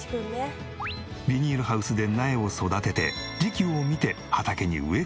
ビニールハウスで苗を育てて時期を見て畑に植え替えるという。